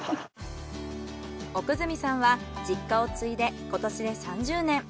奥住さんは実家を継いで今年で３０年。